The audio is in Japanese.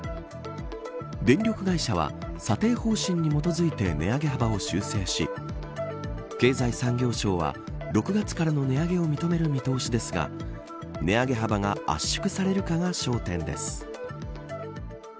電力会社は査定方針に基づいて値上げ幅を修正し経済産業省は６月からの値上げを認める見通しですが値上げ幅が圧縮されるかが焦点です。